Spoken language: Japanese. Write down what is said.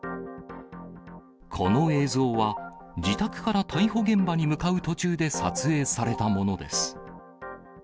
この映像は、自宅から逮捕現場に向かう途中で撮影されたものです。